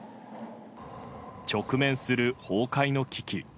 直面する崩壊の危機。